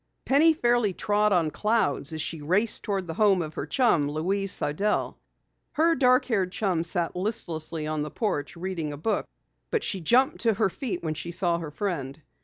Penny fairly trod on clouds as she raced toward the home of her chum, Louise Sidell. Her dark haired chum sat listlessly on the porch reading a book, but she jumped to her feet as she saw her friend.